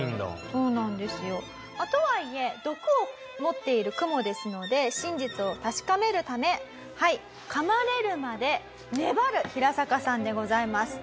そうなんですよ。とはいえ毒を持っているクモですので真実を確かめるため噛まれるまで粘るヒラサカさんでございます。